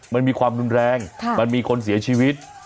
มันมีความรุนแรงมันมีคนเสียชีวิต